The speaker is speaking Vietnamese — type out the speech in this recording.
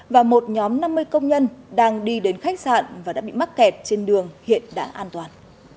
và một nhóm năm mươi công nhân đang đi đến khách sạn và đã bị mắc kẹt trên đường hiện đã an toàn